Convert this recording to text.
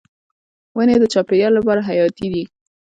ونې د چاپیریال لپاره حیاتي دي.